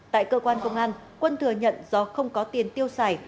tại cơ quan công an quân thừa nhận do không có tiền tiêu xài